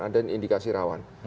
dan ada indikasi rawat